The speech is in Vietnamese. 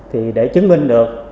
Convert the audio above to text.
thì để chứng minh được